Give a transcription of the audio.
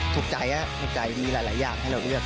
ถูกใจถูกใจดีหลายอย่างให้เราเลือก